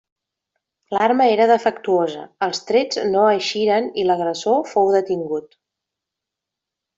L'arma era defectuosa, els trets no eixiren i l'agressor fou detingut.